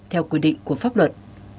theo quy định của pháp luật